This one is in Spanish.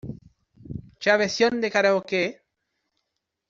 Cha versión de Karaoke